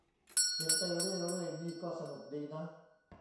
เขียนไปเรื่อยเรื่อยนี่ก็สนุกดีนะ